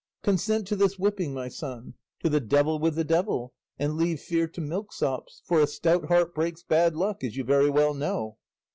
Consent to this whipping, my son; to the devil with the devil, and leave fear to milksops, for 'a stout heart breaks bad luck,' as you very well know."